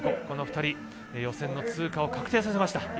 この２人予選の通過を確定させました。